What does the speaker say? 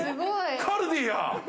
カルディやん！